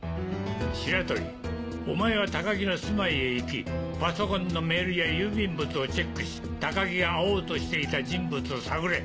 白鳥お前は高木の住まいへ行きパソコンのメールや郵便物をチェックし高木が会おうとしていた人物を探れ。